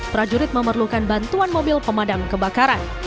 prajurit memerlukan bantuan mobil pemadam kebakaran